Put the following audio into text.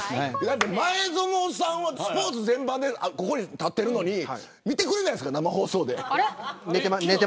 前園さんはスポーツ全般でここに立ってるのに見てくれないですから生放送で。